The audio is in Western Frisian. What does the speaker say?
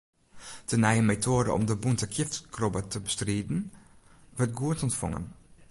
De nije metoade om de bûnte kjifkrobbe te bestriden, wurdt goed ûntfongen.